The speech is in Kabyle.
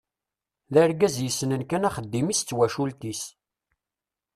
D argaz yessnen kan axeddim-is d twacult-is.